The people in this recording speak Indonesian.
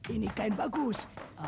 ini kain bagus